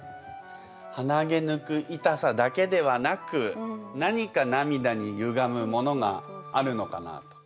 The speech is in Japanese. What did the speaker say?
はなげ抜くいたさだけではなく何かなみだにゆがむものがあるのかなあと。